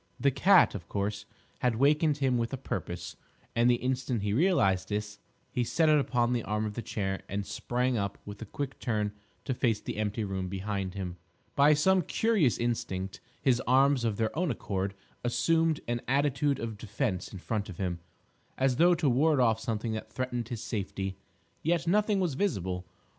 The cat, of course, had wakened him with a purpose, and the instant he realised this, he set it upon the arm of the chair and sprang up with a quick turn to face the empty room behind him. By some curious instinct, his arms of their own accord assumed an attitude of defence in front of him, as though to ward off something that threatened his safety. Yet nothing was visible.